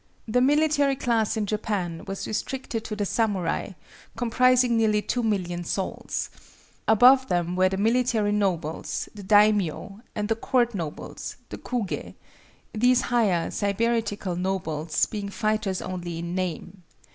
The military class in Japan was restricted to the samurai, comprising nearly 2,000,000 souls. Above them were the military nobles, the daimio, and the court nobles, the kugé—these higher, sybaritical nobles being fighters only in name.